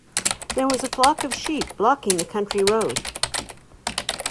There was a flock of sheep blocking the country road.